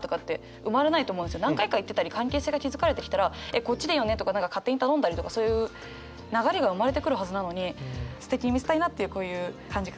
何回か行ってたり関係性が築かれてきたら「えっこっちでいいよね？」とか勝手に頼んだりとかそういう流れが生まれてくるはずなのにすてきに見せたいなっていうこういう感じがかわいいなと思って。